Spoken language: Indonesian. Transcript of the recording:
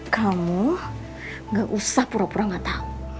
kamu gak usah pura pura gak tahu